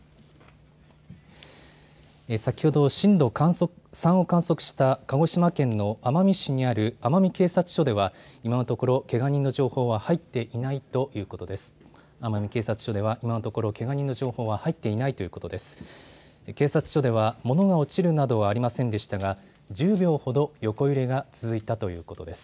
先ほど震度３を観測した鹿児島県の奄美市にある奄美警察署では今のところけが人の情報は入っていないということです。